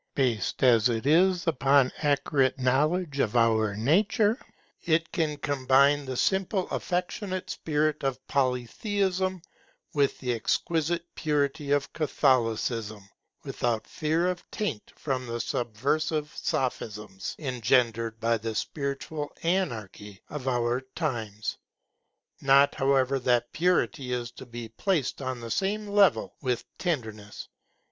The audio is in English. Based as it is upon accurate knowledge of our nature, it can combine the simple affectionate spirit of Polytheism with the exquisite purity of Catholicism, without fear of taint from the subversive sophisms engendered by the spiritual anarchy of our times. Not however that purity is to be placed on the same level with tenderness.